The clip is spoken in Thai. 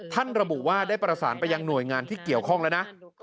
ระบุว่าได้ประสานไปยังหน่วยงานที่เกี่ยวข้องแล้วนะ